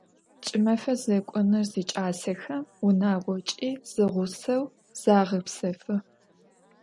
Ç'ımefe zêk'onır ziç'asexem vunağoç'i zeğuseu zağepsefı.